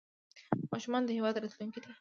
ماشومان د هېواد راتلونکی دی